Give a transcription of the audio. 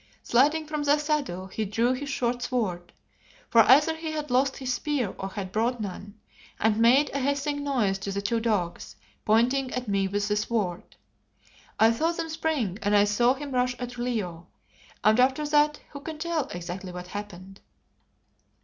Sliding from the saddle, he drew his short sword for either he had lost his spear or had brought none and made a hissing noise to the two dogs, pointing at me with the sword. I saw them spring and I saw him rush at Leo, and after that who can tell exactly what happened?